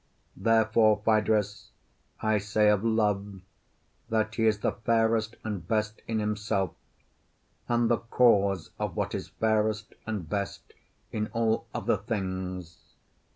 Therefore, Phaedrus, I say of Love that he is the fairest and best in himself, and the cause of what is fairest and best in all other things.